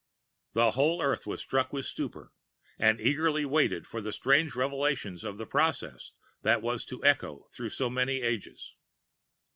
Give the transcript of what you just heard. The whole world was struck with stupor, and eagerly waited for the strange revelations of a process that was to echo through so many ages.